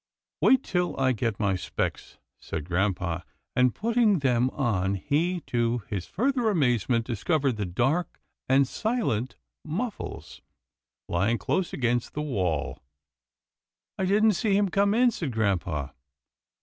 " Wait till I get my specs," said grampa, and, putting them on, he, to his further amazement, dis covered the dark and silent Muffles, lying close against the wall. " I didn't see him come in," said grampa.